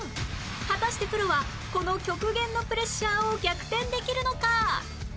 果たしてプロはこの極限のプレッシャーを逆転できるのか？